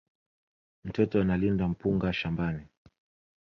Mtoto analinda mpunga shambani